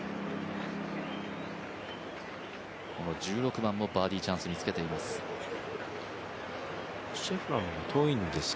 この１６番もバーディーチャンスにつけています。